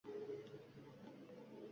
Uzr so’rab, umid bilan